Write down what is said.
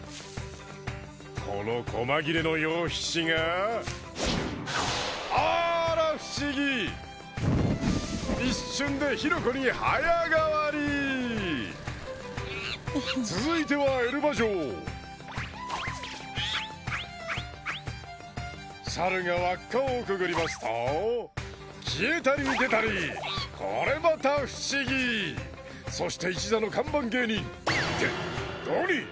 このこま切れの羊皮紙があら不思議一瞬で火の粉に早変わり続いてはエルバ嬢サルが輪っかをくぐりますと消えたり出たりこれまた不思議そして一座の看板芸人ってドニー